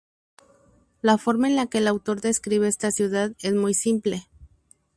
La forma en la que el autor describe esta ciudad es muy simple.